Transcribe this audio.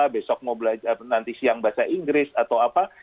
besok mau belajar nanti siang bahasa inggris atau apa